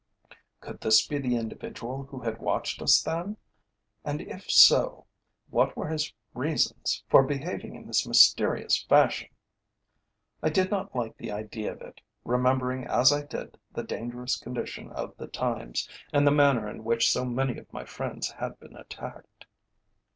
Could this be the individual who had watched us then? And if so, what were his reasons for behaving in this mysterious fashion? I did not like the idea of it, remembering as I did the dangerous condition of the times, and the manner in which so many of my friends had been attacked.